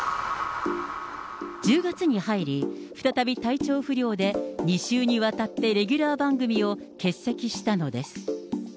１０月に入り、再び体調不良で、２週にわたってレギュラー番組を欠席したのです。